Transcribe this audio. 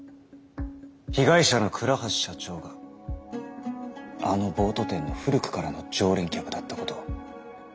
被害者の倉橋社長があのボート店の古くからの常連客だったことを。